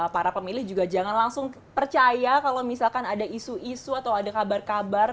para pemilih juga jangan langsung percaya kalau misalkan ada isu isu atau ada kabar kabar